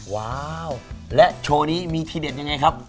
ว้าวและโชว์นี้มีทีเด็ดยังไงครับ